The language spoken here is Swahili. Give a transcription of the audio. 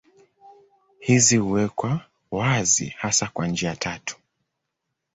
Hizi huwekwa wazi hasa kwa njia tatu.